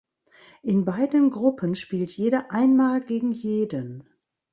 In beiden Gruppen spielt jeder ein mal gegen jeden.